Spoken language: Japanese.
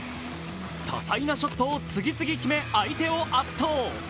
多彩なショットを次々決め、相手を圧倒。